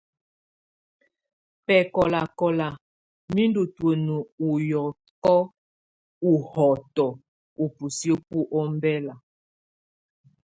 Bɛkɔlakɔla, mɛ ndù tùǝ́nǝ ù yɔkɔ ù hɔtɔ ubusiǝ́ bu ɔmbela.